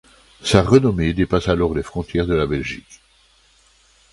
Sa renommée dépasse alors les frontières de la Belgique.